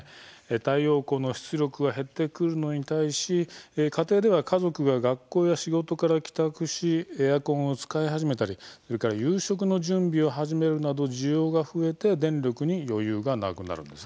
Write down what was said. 太陽光の出力は減ってくるのに対し、家庭では家族が学校や仕事から帰宅しエアコンを使い始めたりそれから夕食の準備を始めるなど需要が増えて電力に余裕がなくなるんですね。